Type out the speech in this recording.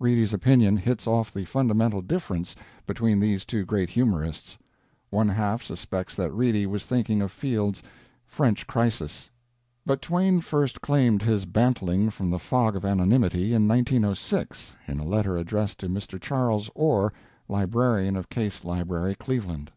Reedy's opinion hits off the fundamental difference between these two great humorists; one half suspects that Reedy was thinking of Field's French Crisis. But Twain first claimed his bantling from the fog of anonymity in 1906, in a letter addressed to Mr. Charles Orr, librarian of Case Library, Cleveland.